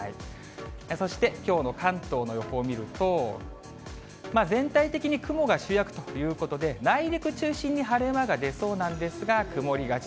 そして、きょうの関東の予報を見ると、全体的に雲が主役ということで、内陸中心に晴れ間が出そうなんですが、曇りがち。